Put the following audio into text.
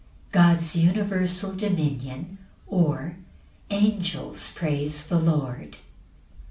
S. M. God's universal dominion; or, Angels praise the Lord.